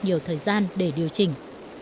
nhiều thời gian để điều chỉnh